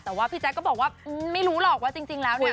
แต่ว่าพี่แจ๊คก็บอกว่าไม่รู้หรอกว่าจริงแล้วเนี่ย